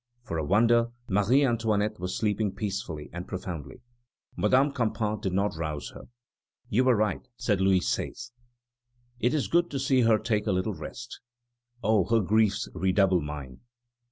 For a wonder, Marie Antoinette was sleeping peacefully and profoundly. Madame Campan did not rouse her. "You were right," said Louis XVI.; "it is good to see her take a little rest. Oh! her griefs redouble mine!"